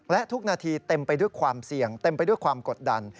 และทุกนาทีเต็มไปด้วยความเสี่ยงเต็มไปด้วยความกดดัน